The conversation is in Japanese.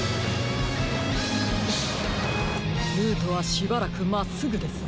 ルートはしばらくまっすぐです。